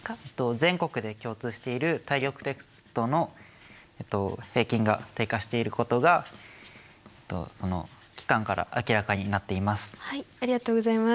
全国で共通している体力テストの平均が低下していることがその機関から明らかになっています。